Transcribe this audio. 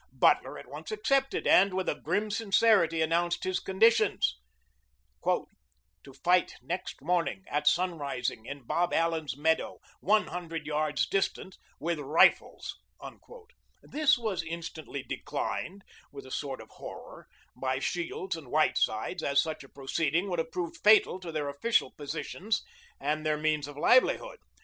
Butler at once accepted, and with a grim sincerity announced his conditions "to fight next morning at sunrising in Bob Allen's meadow, one hundred yards' distance, with rifles." This was instantly declined, with a sort of horror, by Shields and Whitesides, as such a proceeding would have proved fatal to their official positions and their means of livelihood.